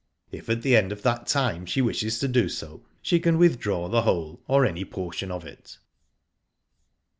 If at the end of that time she wishes to do so, she can withdraw the whole, or any portion of it."